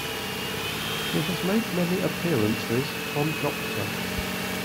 He has made many appearances on 'Dr.